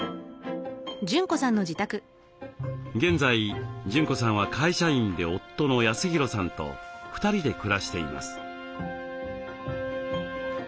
現在淳子さんは会社員で夫の恭弘さんと２人で暮らしています。